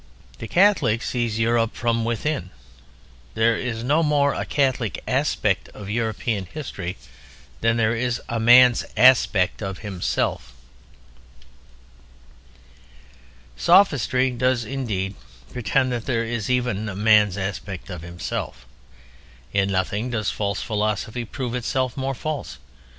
The Catholic sees Europe from within. There is no more a Catholic "aspect" of European history than there is a man's "aspect" of himself. Sophistry does indeed pretend that there is even a man's "aspect" of himself. In nothing does false philosophy prove itself more false.